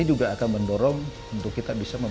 ini juga akan mendorong untuk kita bisa